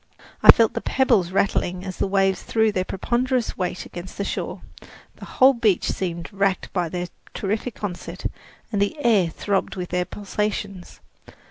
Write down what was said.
I felt the pebbles rattling as the waves threw their ponderous weight against the shore; the whole beach seemed racked by their terrific onset, and the air throbbed with their pulsations.